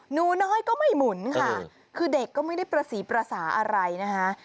หนูน้อยก็ไม่หมุนค่ะคือเด็กก็ไม่ได้ประสีประสาอะไรนะคะ